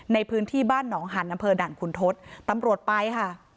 ในพื้นที่บ้านหนองหันอำเภอด่านขุนทศตำรวจไปค่ะ